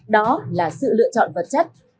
đó là sự lựa chọn vật chất